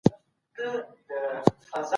دا یو بشپړ او بریالی ژوند دی.